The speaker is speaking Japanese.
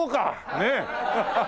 ねえ。